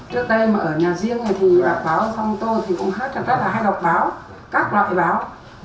trước đây mà ở nhà riêng thì bà báo xong tôi cũng hát cho tất cả hay đọc báo các loại báo